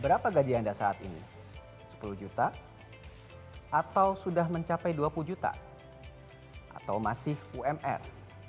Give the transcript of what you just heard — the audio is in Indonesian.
berapa gaji anda saat ini sepuluh juta atau sudah mencapai dua puluh juta atau masih umr